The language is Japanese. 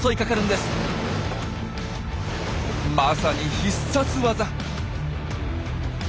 まさに必殺ワザ。